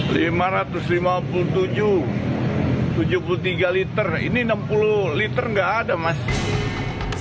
lima ratus lima puluh tujuh tujuh puluh tiga liter ini enam puluh liter nggak ada mas